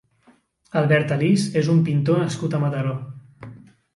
Albert Alís és un pintor nascut a Mataró.